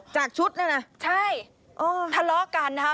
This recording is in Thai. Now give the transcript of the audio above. จากชุดเนี่ยนะใช่ทะเลาะกันนะคะ